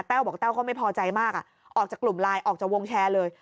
แววบอกแต้วก็ไม่พอใจมากออกจากกลุ่มไลน์ออกจากวงแชร์เลย